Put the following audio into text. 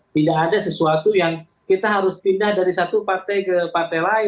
tidak ada sesuatu yang kita harus pindah dari satu partai ke partai lain